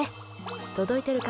届いているか？